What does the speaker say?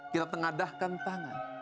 kita tengadahkan tangan